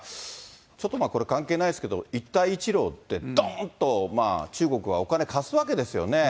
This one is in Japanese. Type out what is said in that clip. ちょっとまあ、これ、関係ないですけど、一帯一路って、どーんと中国はお金貸すわけですよね。